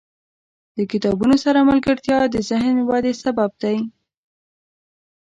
• د کتابونو سره ملګرتیا، د ذهن ودې سبب دی.